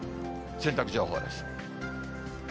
洗濯情報です。